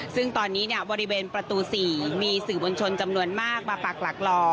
ซึ่งตอนนี้บริเวณประตู๔มีสื่อมวลชนจำนวนมากมาปากหลักรอ